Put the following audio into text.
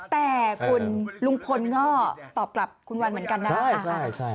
แต่คุณลุงพลก็ตอบกลับคุณวันเหมือนกันนะ